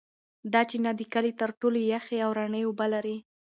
دا چینه د کلي تر ټولو یخې او رڼې اوبه لري.